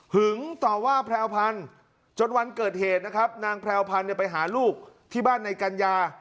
ต่อว่าแพรวพันธุ์จนวันเกิดเหตุนะครับนางแพรวพันธ์ไปหาลูกที่บ้านในกัญญา